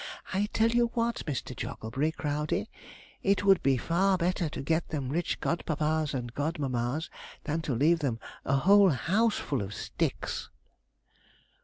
I tell you what, Mr. Jogglebury Crowdey, it would be far better to get them rich god papas and god mammas than to leave them a whole house full of sticks.'